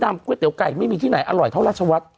ก๋วยเตี๋ยวไก่ไม่มีที่ไหนอร่อยเท่าราชวัฒน์